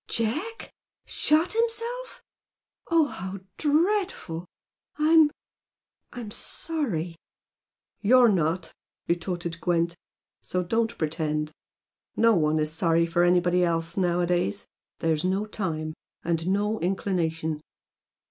Jack?... Shot himself?... Oh, how dreadful! I'm I'm sorry !" "You're not!" retorted Gwent "So don't pretend. No one is sorry for anybody else nowadays. There's no time. And no inclination.